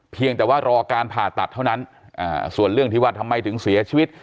เพียงแต่ว่ารอการผ่าตัดเท่านั้นส่วนเรื่องที่ว่าทำไมถึงเสียชีวิต